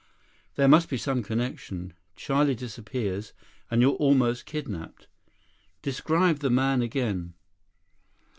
"There must be some connection. Charlie disappears, and you're almost kidnaped. Describe the man again."